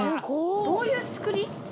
どういう作り？